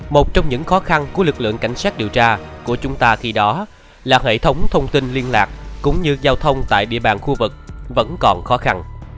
một trong những khó khăn của lực lượng cảnh sát điều tra của chúng ta khi đó là hệ thống thông tin liên lạc cũng như giao thông tại địa bàn khu vực vẫn còn khó khăn